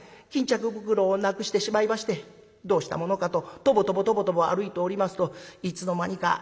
巾着袋をなくしてしまいましてどうしたものかととぼとぼとぼとぼ歩いておりますといつの間にか吾妻橋でございました。